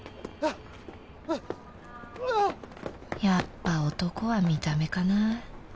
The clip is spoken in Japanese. やっぱ男は見た目かな